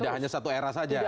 tidak hanya satu era saja